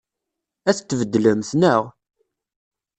Ad t-tbeddlemt, naɣ?